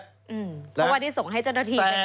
เพราะว่าที่ส่งให้จนทีไปแล้ว